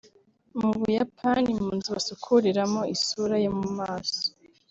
Mu Buyapani mu nzu basukuriramo isura yo mu maso